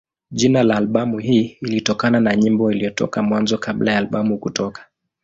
Jina la albamu hii lilitokana na nyimbo iliyotoka Mwanzo kabla ya albamu kutoka.